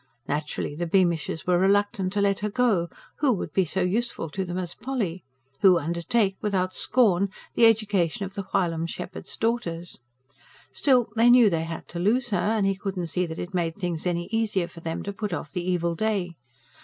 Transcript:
Naturally the Beamishes were reluctant to let her go: who would be so useful to them as Polly? who undertake, without scorn, the education of the whilom shepherd's daughters? Still, they knew they had to lose her, and he could not see that it made things any easier for them to put off the evil day.